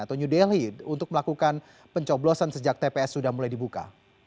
atau new delhi untuk melakukan pencoblosan sejak tps sudah mulai dibuka